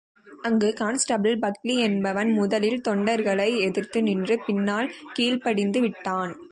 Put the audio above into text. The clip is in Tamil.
அங்கு கான்ஸ் டபிள் பக்லி என்பவன் முதலில் தொண்டர்களை எதிர்த்து நின்று, பின்னால் கீழ்ப்படிந்து விட்டான்.